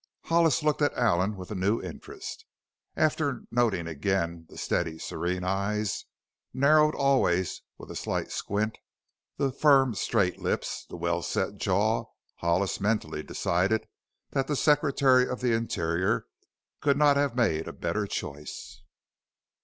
Hollis looked at Allen with a new interest. After noting again the steady, serene eyes, narrowed always with a slight squint; the firm straight lips, the well set jaws, Hollis mentally decided that the Secretary of the Interior could not have made a better choice.